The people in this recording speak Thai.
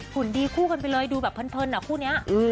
หุ่นดีคู่กันไปเลยดูแบบเพลินคู่นี้